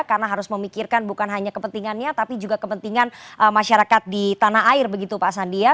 karena harus memikirkan bukan hanya kepentingannya tapi juga kepentingan masyarakat di tanah air begitu pak sandia